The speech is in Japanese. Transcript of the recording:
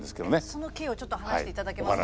その経緯をちょっと話していただけますか？